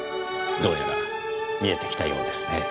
どうやら見えてきたようですねぇ。